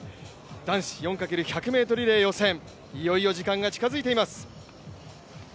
男子４×１００ｍリレー予選、いよいよ時間が近づいています。